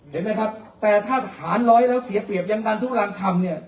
เห็นไหมครับแต่ถ้าหารร้อยแล้วเสียเปรียบยังดันทุรังคำเนี่ย